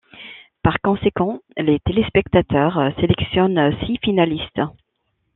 Par conséquent, les téléspectateurs sélectionnent six finalistes.